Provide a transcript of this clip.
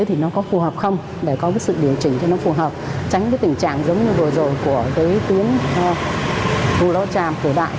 thì nó có phù hợp không để có sự điều chỉnh cho nó phù hợp tránh tình trạng giống như vừa rồi của tuyến hồ lô tràm của đại